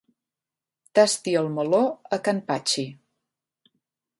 Tasti el meló a can Patxi.